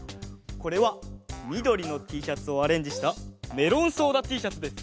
これはみどりのＴシャツをアレンジしたメロンソーダＴシャツです！